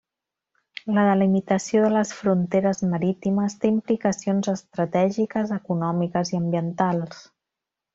La delimitació de les fronteres marítimes té implicacions estratègiques, econòmiques i ambientals.